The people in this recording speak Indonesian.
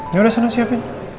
ya udah sana siapin